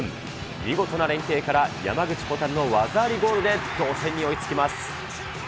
見事な連係から山口蛍の技ありゴールで同点に追いつきます。